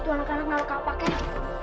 dimana sih tuan lelah kapaknya